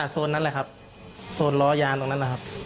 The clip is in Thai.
โซนนั้นแหละครับโซนล้อยางตรงนั้นนะครับ